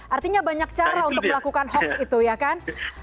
artinya banyak cara untuk melakukan hoax itu ya kan